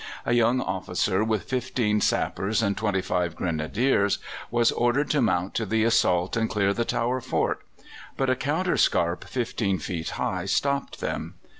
A young officer with fifteen sappers and twenty five Grenadiers, was ordered to mount to the assault and clear the tower fort; but a counter scarp 15 feet high stopped them.